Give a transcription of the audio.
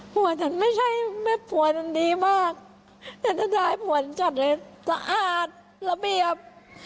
ผัวฉันไม่ใช่ผัวฉันดีมากแต่ถ้าได้ผัวฉันจัดเลยสะอาดระเบียบ